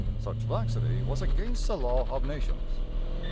Such laxity was against the law of nations.